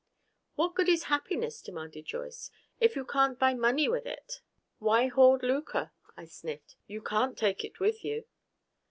"What good is happiness," demanded Joyce, "if you can't buy money with it?" "Why hoard lucre?" I sniffed. "You can't take it with you."